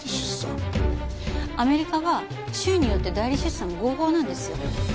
アメリカは州によって代理出産が合法なんですよ。